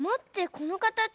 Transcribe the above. このかたち。